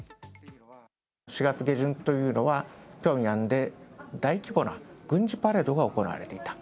４月下旬というのはピョンヤンで大規模な軍事パレードが行われていた。